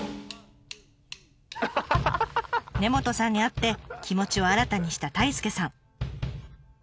根本さんに会って気持ちを新たにした太亮さん。